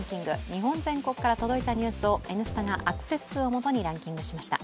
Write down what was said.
日本全国から届いたニュースを「Ｎスタ」がアクセス数をもとにランキングしました。